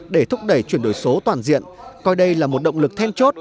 để thúc đẩy chuyển đổi số toàn diện coi đây là một động lực then chốt